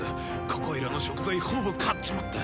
ここいらの食材ほぼ狩っちまった。